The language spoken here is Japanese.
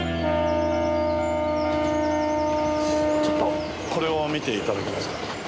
ちょっとこれを見て頂けますか？